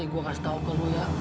ini gue kasih tahu ke lo ya